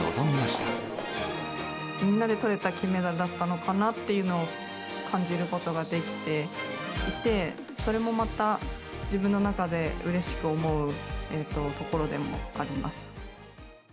みんなでとれた金メダルだったのかなっていうのを感じることができていて、それもまた自分の中でうれしく思うところでもあります。